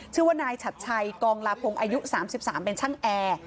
ชื่อว่านายชัดชัยกองลาพงศ์อายุ๓๓เป็นช่างแอร์